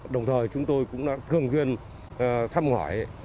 đồng thời chúng tôi cũng đã thường duyên thăm hỏi